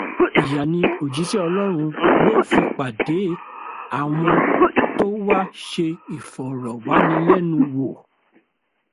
Ìyà ni òjíṣẹ́ Ọlọ́run ló fi pàdé àwọn tó wá ṣe Ìfọ̀rọ̀wánilẹ́nuwò.